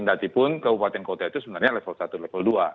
walaupun kabupaten kota itu sebenarnya level satu level dua